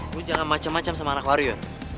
gue jangan macem macem sama anak wario